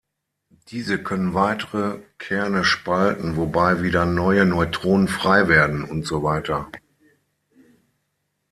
Diese können weitere Kerne spalten, wobei wieder neue Neutronen frei werden usw.